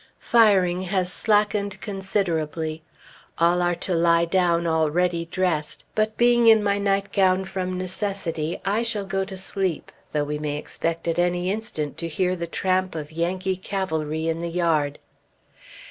Firing has slackened considerably. All are to lie down already dressed; but being in my nightgown from necessity, I shall go to sleep, though we may expect at any instant to hear the tramp of Yankee cavalry in the yard.